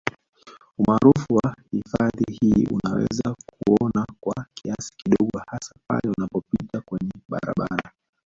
Umaarufu wa hifadhi hii unaweza kuuona kwa kiasi kidogo hasa pale unapopita kwenye barabara